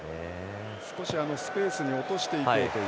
少しスペースに落としていこうという。